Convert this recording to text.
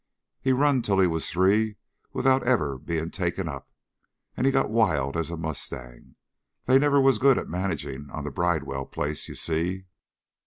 He run till he was three without ever being taken up, and he got wild as a mustang. They never was good on managing on the Bridewell place, you see?